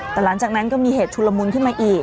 แต่หลังจากนั้นก็มีเหตุชุลมุนขึ้นมาอีก